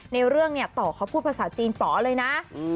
เรื่องเนี่ยต่อเขาพูดภาษาจีนป๋อเลยนะ